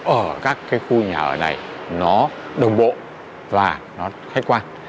ở các cái khu nhà ở này nó đồng bộ và nó khách quan